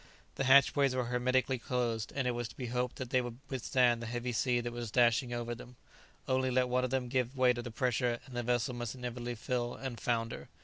The hatchways were hermetically closed, and it was to be hoped that they would withstand the heavy sea that was dashing over them; only let one of them give way to the pressure, and the vessel must inevitably fill and founder.